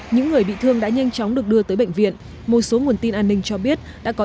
những người bị thương đã nhanh chóng được đưa tới bệnh viện một số nguồn tin an ninh cho biết đã có